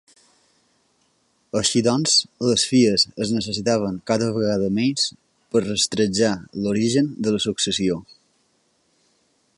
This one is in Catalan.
Així doncs, les filles es necessitaven cada vegada menys per rastrejar l'origen de la successió.